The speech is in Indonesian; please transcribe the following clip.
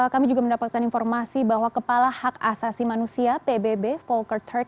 kami juga mendapatkan informasi bahwa kepala hak asasi manusia pbb volker turk